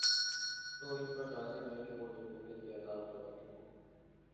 تو ان پرلازم ہے کہ وہ جمہوریت کے آداب سے واقف ہوں۔